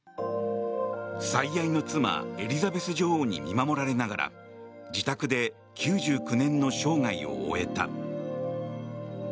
最愛の妻エリザベス女王に見守られながら自宅で９９年の生涯を終えた。